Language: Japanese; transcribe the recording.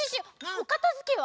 おかたづけは？